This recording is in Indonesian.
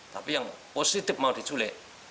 tapi yang positif mau diculik